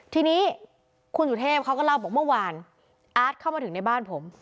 ทีนี้คุณสุเทพเขาก็เล่าบอกเมื่อวานอาร์ตเข้ามาถึงในบ้านผม